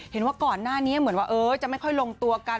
เห็นว่าก่อนหน้านี้เหมือนว่าจะไม่ค่อยลงตัวกัน